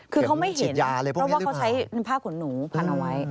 เข็มชิดยาเลยพวกนี้หรือเปล่าคือเขาไม่เห็นว่าเขาใช้ผ้าขนหนูพันเอาไว้